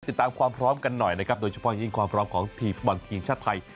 ติดตามความพร้อมกันหน่อยนะครับโดยเฉพาะยิ่งความพร้อมของทีมฟุตบอลทีมชาติไทย